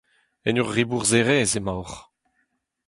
En ur ribourzherez emaoc'h.